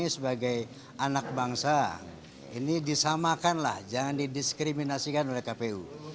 sebagai anak bangsa ini disamakanlah jangan didiskriminasikan oleh kpu